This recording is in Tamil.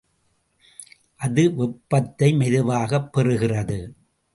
அது வெப்பத்தை மெதுவாகப் பெறுகிறது.